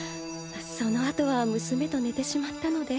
その後は娘と寝てしまったので。